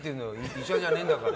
医者じゃないんだから。